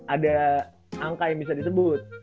ada angka yang bisa disebut